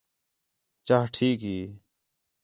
چاہ ٹھیک ہی